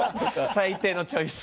最低のチョイス。